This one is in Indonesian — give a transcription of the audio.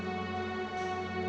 baja gak ada disini